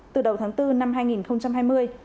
từ đầu tháng bốn năm hai nghìn hai mươi